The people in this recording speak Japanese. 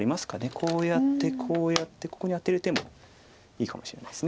こうやってこうやってここにアテる手もいいかもしれないです。